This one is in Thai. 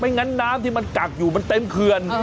งั้นน้ำที่มันกักอยู่มันเต็มเขื่อน